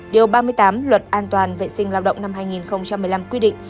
điều ba mươi tám luật an toàn vệ sinh lao động năm hai nghìn một mươi năm quy định